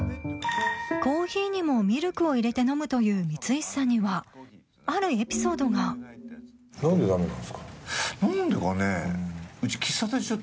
コーヒーにもミルクを入れて飲むという光石さんにはあるエピソードが何でかねうち。